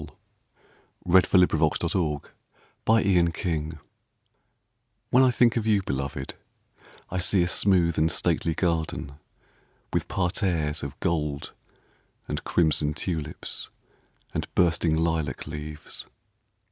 42 PICTURES OF THE FLOATING WORLD MISE EN SCENE WHEN I think of you, Beloved, I see a smooth and stately garden With parterres of gold and crimson tulips And bursting lilac leaves.